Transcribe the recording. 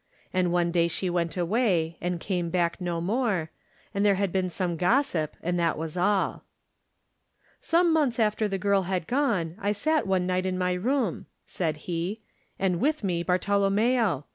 And one day she went away and came back no more, and there had been some gossip, and that was all. "Some months after the girl had gone I sat one night in my room," said he, "aad with me Bartolommeo.